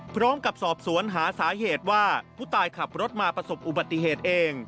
พร้อมกับสอบสวนหาสาเหตุว่าผู้ตายขับรถมาประสบอุบัติเหตุเอง